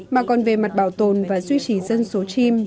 mà còn về mặt bảo tồn và duy trì dân số chim